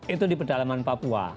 itu di pedalaman papua